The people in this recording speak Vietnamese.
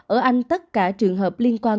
ở anh tất cả trường hợp liên quan